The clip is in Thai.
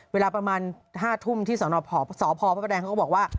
เวลาประมาณ๕ทุ่มที่สพพระประแดงเขาก็บอกว่า